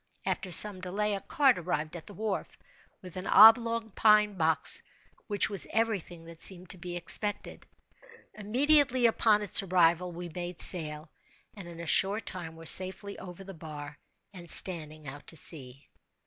After some delay, a cart arrived at the wharf, with an oblong pine box, which was every thing that seemed to be expected. Immediately upon its arrival we made sail, and in a short time were safely over the bar and standing out to sea.